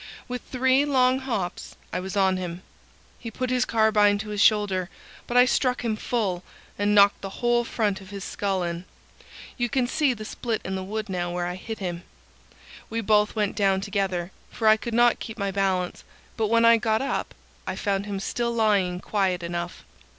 With three long hops I was on him. He put his carbine to his shoulder, but I struck him full, and knocked the whole front of his skull in. You can see the split in the wood now where I hit him. We both went down together, for I could not keep my balance, but when I got up I found him still lying quiet enough.